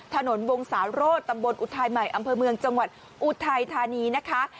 วงศาโรธตำบลอุทัยใหม่อำเภอเมืองจังหวัดอุทัยธานีนะคะ